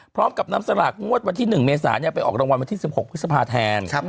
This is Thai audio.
พร้อมกับนำสลากงวดวันที่๑เมษาไปออกรางวัลวันที่๑๖พฤษภาแทน